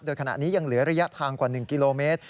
โดยขณะนี้ยังเหลือระยะทางกว่า๑กิโลเมตร